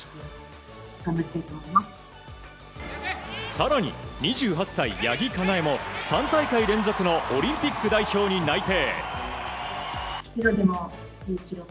更に、２８歳、八木かなえも３大会連続のオリンピック代表に内定。